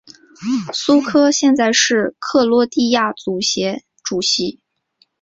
苏克现在是克罗地亚足协主席。